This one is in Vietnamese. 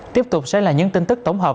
tiếp tục sẽ là những tin tức tổng hợp